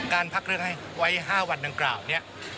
การพักเรื่องไว้๕วันดังกล่าวเนี่ย